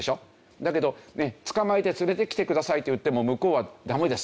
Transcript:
だけど捕まえて連れてきてくださいって言っても向こうは「ダメです」。